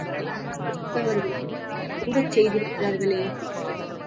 கிறிஸ்துவர்களும் கூடச் செய்திருக்கிறார்களே!